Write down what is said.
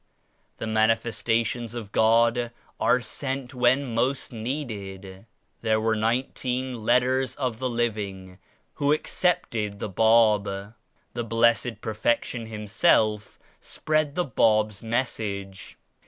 The Manifestations of God are sent when most needed. There were Nineteen *Let ters of the Living' who accepted the Bab. The Blessed Perfection Himself spread the Bab^s Message.